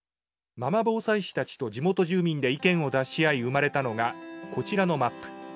ママ防災士たちと地元住民で意見を出し合い生まれたのがこちらのマップ。